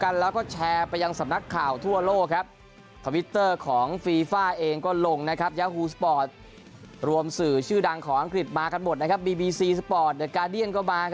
ยาฮูสปอร์ตรวมสื่อชื่อดังของอังกฤษมากันหมดนะครับบีบีซีสปอร์ตเดอร์กาเดียนก็มา